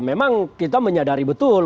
memang kita menyadari betul